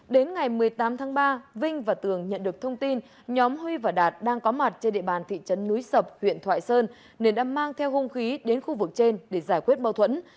đến ngày một mươi tám tháng ba vinh và tường nhận được thông tin nhóm huy và đạt đang có mặt trên địa bàn thị trấn núi sập huyện thoại sơn nên đã mang theo hung khí đến khu vực trên để giải quyết mâu thuẫn